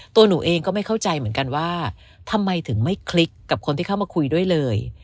ตัวหนูเองก็ไม่เข้าใจเหมือนกันว่าทำไมถึงไม่คลิกกับคนที่เข้ามาคุยด้วยเลย